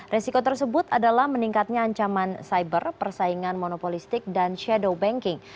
resiko tersebut adalah meningkatnya ancaman cyber persaingan monopolistik dan shadow banking